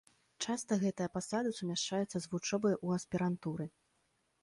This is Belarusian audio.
Часта гэтая пасада сумяшчаецца з вучобай у аспірантуры.